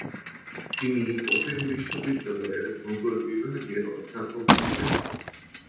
তিনি ওপেন বিশ্ববিদ্যালয়ের ভূগোল বিভাগের অধ্যাপক ছিলেন।